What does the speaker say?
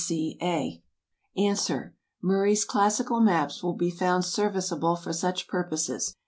D. C. A. ANS. Murray's classical maps will be found serviceable for such purposes.